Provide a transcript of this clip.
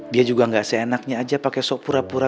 dia juga gak seenaknya aja pake sok pura pura